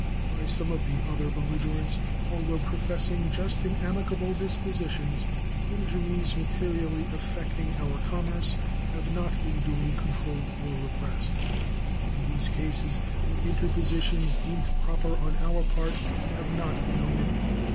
By some of the other belligerents, although professing just and amicable dispositions, injuries materially affecting our commerce have not been duly controlled or repressed. In these cases the interpositions deemed proper on our part have not been omitted.